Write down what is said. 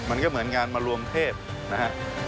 มันก็เหมือนงานมารวมเทพนะฮะ